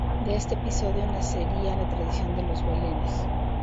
De este episodio nacería la tradición de los belenes.